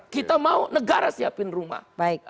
kita mau negara siapin rumah